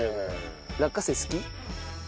落花生好き？